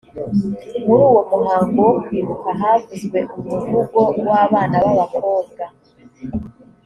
muri uwo muhango wo kwibuka havuzwe umuvugo w abana b abakobwa